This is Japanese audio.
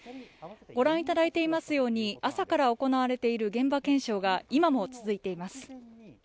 御覧いただいていますように朝から行われている現場検証が今も続いています。